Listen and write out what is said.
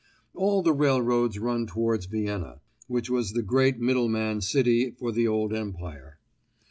All the railroads run towards Vienna, which was the great middleman city for the old empire.